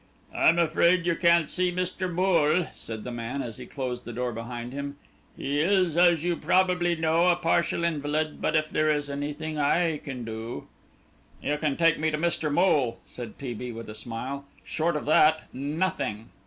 "I am afraid you can't see Mr. Moole," said the man, as he closed the door behind him; "he is, as you probably know, a partial invalid, but if there is anything I can do " "You can take me to Mr. Moole," said T. B. with a smile; "short of that nothing."